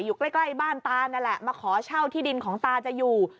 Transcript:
อยู่ใกล้บ้านตานั่นแหละมาขอเช่าที่ดินของตาจะอยู่